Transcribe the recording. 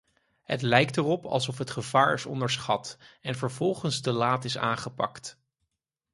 Het lijkt erop alsof het gevaar is onderschat, en vervolgens te laat is aangepakt.